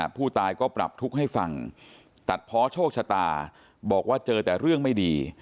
ผู้ตายก็ปรับทุกข์ให้ฟังตัดเพาะโชคชะตาบอกว่าเจอแต่เรื่องไม่ดี